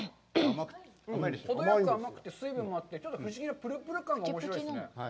ほどよく甘くて水分もあって、ちょっと不思議なプルプル感がおもしろいですね。